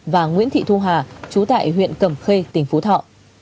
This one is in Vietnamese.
và nguyễn thị thu hà chú tại huyện cẩm khê tỉnh phú thọ